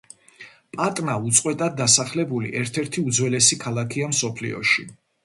პატნა უწყვეტად დასახლებული ერთ-ერთი უძველესი ქალაქია მსოფლიოში.